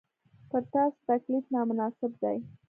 پر تاسو تکلیف نامناسب دی.